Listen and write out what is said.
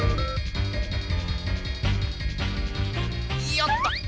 よっと！